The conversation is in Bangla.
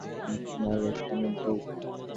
গাছটা মাড়ালে কেন বৌ?